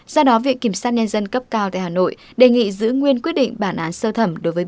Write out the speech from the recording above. do đó viện kiểm sát nhân dân cấp cao tại hà nội đề nghị giữ nguyên quyết định bản án sơ thẩm đối với